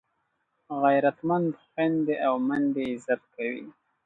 غیرتمند خویندي او میندې عزت کوي